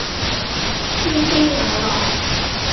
司機有落